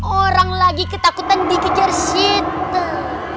orang lagi ketakutan dikejar si etan